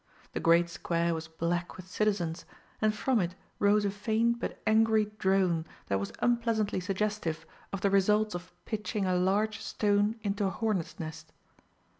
The great square was black with citizens, and from it rose a faint but angry drone that was unpleasantly suggestive of the results of pitching a large stone into a hornets' nest.